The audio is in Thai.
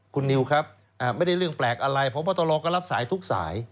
คุณนิวครับไม่ได้เรื่องแปลกอะไรพบตรก็รับสายทุกสาย